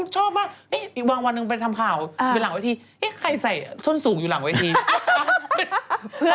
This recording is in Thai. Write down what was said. ชอบมากปิ๊บอีกวางวันนึงไปทำข่าวอยู่หลังวิธีที่เห๊ใครใส่ส้นสูงอยู่หลังวิธี